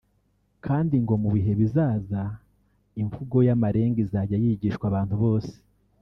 kandi ngo mu bihe bizaza imvugo y’amarenga izajya yigishwa abantu bose